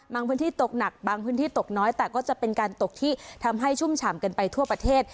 พื้นที่ตกหนักบางพื้นที่ตกน้อยแต่ก็จะเป็นการตกที่ทำให้ชุ่มฉ่ำกันไปทั่วประเทศ